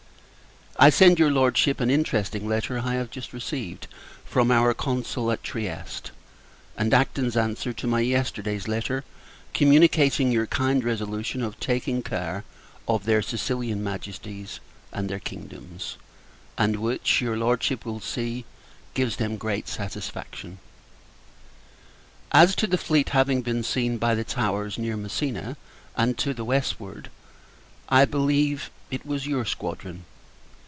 I send your Lordship an interesting letter I have just received from our Consul at Trieste: and Acton's answer to my yesterday's letter communicating your kind resolution of taking care of their Sicilian Majesties and their kingdoms; and which, your Lordship will see, gives them great satisfaction. As to the fleet having been seen by the Towers near Messina, and to the westward I believe, it was your squadron.